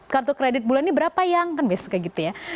kartu kredit bulan ini berapa yang kan biasanya kayak gitu ya